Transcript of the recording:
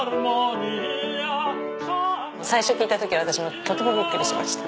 最初聴いた時は私もとてもビックリしました。